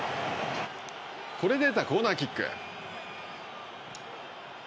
これで得たコーナーキック。